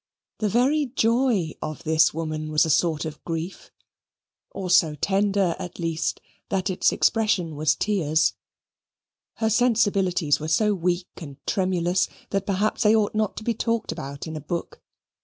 The very joy of this woman was a sort of grief, or so tender, at least, that its expression was tears. Her sensibilities were so weak and tremulous that perhaps they ought not to be talked about in a book.